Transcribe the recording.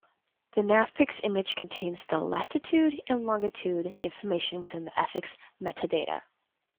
The NavPix image contains the latitude and longitude information within the Exif metadata.